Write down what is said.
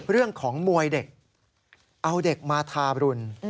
เรื่องของมวยเด็กเอาเด็กมาทาบรุน